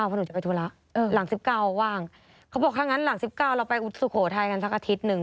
เพราะหนูจะไปธุระหลัง๑๙ว่างเขาบอกถ้างั้นหลัง๑๙เราไปสุโขทัยกันสักอาทิตย์หนึ่ง